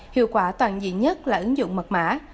điện nhất là ứng dụng mật mã